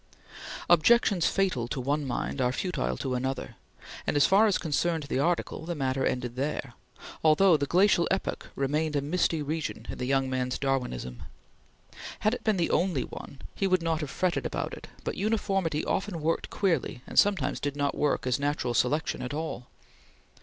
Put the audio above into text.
Objections fatal to one mind are futile to another, and as far as concerned the article, the matter ended there, although the glacial epoch remained a misty region in the young man's Darwinism. Had it been the only one, he would not have fretted about it; but uniformity often worked queerly and sometimes did not work as Natural Selection at all.